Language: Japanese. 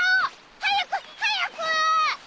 早く早く！